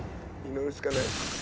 祈るしかない！